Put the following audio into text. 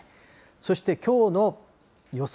そして、きょうの予想